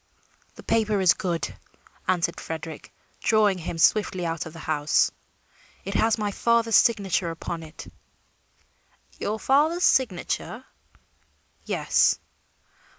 "The paper is good," answered Frederick, drawing him swiftly out of the house. "It has my father's signature upon it." "Your father's signature?" "Yes."